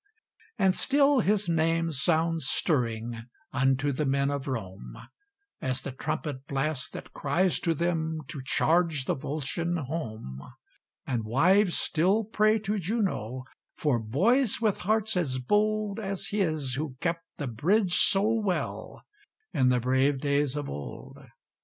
And still his name sounds stirring Unto the men of Rome, As the trumpet blast that cries to them To charge the Volscian home; And wives still pray to Juno For boys with hearts as bold As his who kept the bridge so well In the brave days of old.